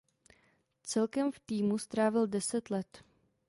Celkem v týmu strávil deset let.